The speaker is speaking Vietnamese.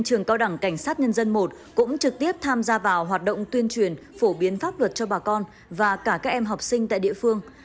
trường cao đẳng cảnh sát nhân dân một cũng trực tiếp tham gia vào hoạt động tuyên truyền phổ biến pháp luật cho bà con và cả các em học sinh tại địa phương